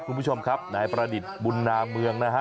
คุณผู้ชมครับนายประดิษฐ์บุญนาเมืองนะฮะ